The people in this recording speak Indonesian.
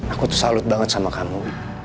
aku tuh salut banget sama kamu